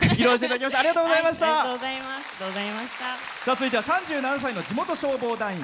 続いては３７歳の地元消防団員。